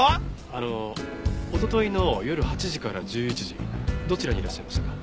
あのおとといの夜８時から１１時どちらにいらっしゃいましたか？